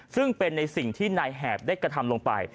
ซึ่งเป็นในสิ่งที่นายแหบได้กระทำลงไป